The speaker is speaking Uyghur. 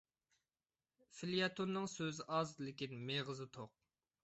فېليەتوننىڭ سۆزى ئاز، لېكىن مېغىزى توق.